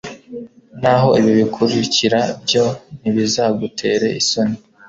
naho ibi bikurikira byo, ntibizagutere isoni